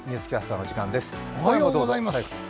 おはようございます！